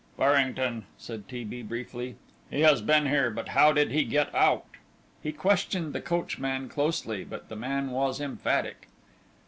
"Farrington," said T. B., briefly, "he has been here; but how did he get out?" He questioned the coachman closely, but the man was emphatic.